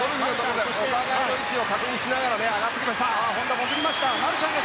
お互いの位置を確認しながら上がってきました。